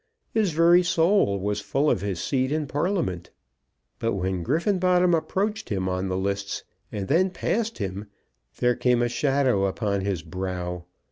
His very soul was full of his seat in Parliament! But when Griffenbottom approached him on the lists, and then passed him, there came a shadow upon his brow.